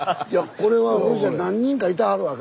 これはおにいさん何人かいてはるわけ？